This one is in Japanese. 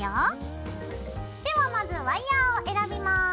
ではまずワイヤーを選びます。